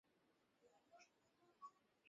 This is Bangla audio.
সে মানুষ নয়।